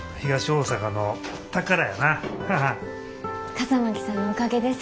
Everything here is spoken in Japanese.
笠巻さんのおかげです。